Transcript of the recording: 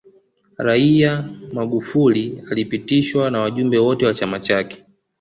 raia magufuli alipitishwa na wajumbe wote wa chama chake